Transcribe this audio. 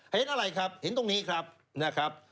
เห็นอะไรครับเห็นตรงนี้ครับ